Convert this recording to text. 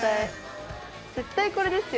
絶対これですよ。